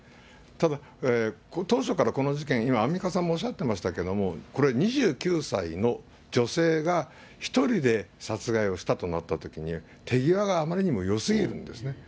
ただ、当初からこの事件、今、アンミカさんもおっしゃってましたけど、これ、２９歳の女性が１人で殺害をしたとなったときに、手際があまりにもよすぎるんですね。